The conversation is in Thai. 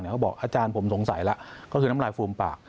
เขาบอกอาจารย์ผมสงสัยแล้วก็คือน้ำลายฟูมปาก